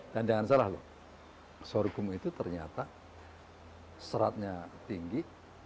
dan jangan salah lho sorghum itu ternyata seratnya tinggi